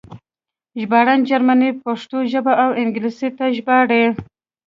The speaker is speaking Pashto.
ژباړن جرمنۍ ژبه پښتو او انګلیسي ته ژباړي